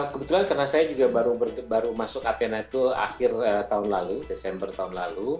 kebetulan karena saya juga baru masuk athena itu akhir tahun lalu desember tahun lalu